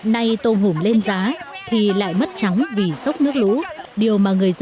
nay tôm hùm lên giá thì lại mất trắng vì sốc nước lũ